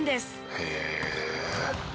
「へえ」